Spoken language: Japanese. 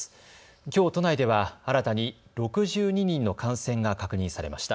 きょう都内では新たに６２人の感染が確認されました。